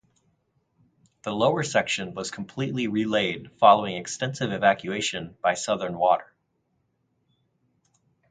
The lower section was completely re-laid following extensive excavation by Southern Water.